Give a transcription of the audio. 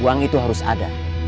uang itu harus ada